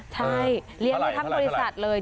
ใช่เลี้ยงมาทั้งบริษัทเลย